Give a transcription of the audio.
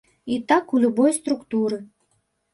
І так у любой структуры.